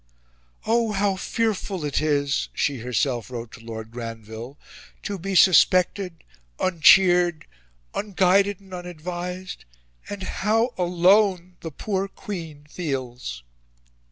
"Oh, how fearful it is," she herself wrote to Lord Granville, "to be suspected uncheered unguided and unadvised and how alone the poor Queen feels!"